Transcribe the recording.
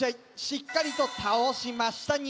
しっかりと倒しました。